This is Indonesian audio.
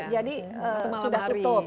jadi sudah tutup